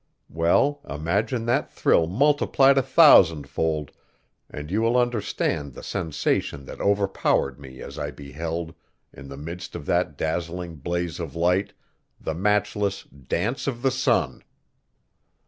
Well, imagine that thrill multiplied a thousandfold and you will understand the sensation that overpowered me as I beheld, in the midst of that dazzling blaze of light, the matchless Dance of the Sun.